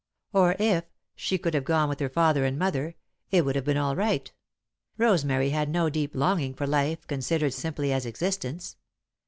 Or, if she could have gone with her father and mother, it would have been all right Rosemary had no deep longing for life considered simply as existence.